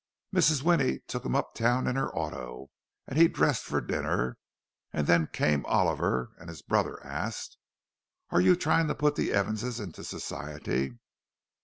Mrs. Winnie took him up town in her auto, and he dressed for dinner; and then came Oliver, and his brother asked, "Are you trying to put the Evanses into Society?"